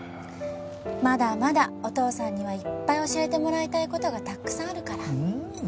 まだまだお父さんにはいっぱい教えてもらいたい事がたくさんあるから。